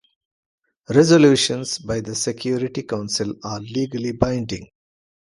Resolutions by the Security Council are legally binding.